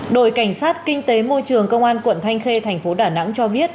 đội cảnh sát kinh tế môi trường công an quận thanh khê tp đà nẵng cho biết